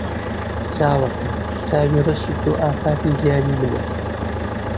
چاوەکەم! چاوی ڕەشی تۆ ئافەتی گیانی منە